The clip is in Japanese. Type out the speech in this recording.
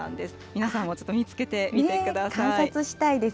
皆さんもちょっと見つけてみてください。